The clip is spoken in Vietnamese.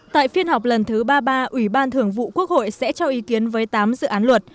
tại phiên họp lần thứ ba mươi ba ủy ban thường vụ quốc hội sẽ cho ý kiến với tám dự án luật